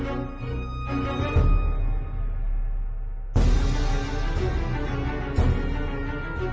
ตอบร่วมได้นะครับแขนตอนออกขนาดประกัน